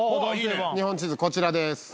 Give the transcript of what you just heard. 日本地図こちらです。